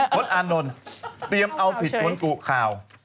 จนอานนท์เตรียมเอาผิดคนกุข่าว